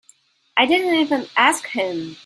I didn't even ask him.